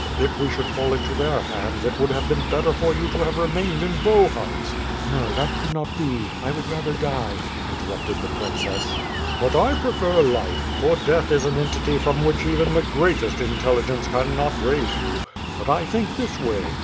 If we should fall into their hands, it would have been better for you to have re mained in Bohun's" "No, that could not be. I would rather die," interrupted the princess. "But I prefer life, for death is an entity from which even the greatest intelligence can not raise you; but I think this way.